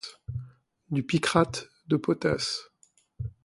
Du picrate de potasse !